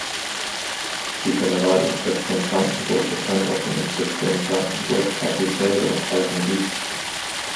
Die Generalinspektion Blankenburg bestand aus den Inspektionen Blankenburg, Hasselfelde und Walkenried.